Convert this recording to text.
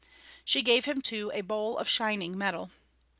She gave him, too, a bowl of shining metal.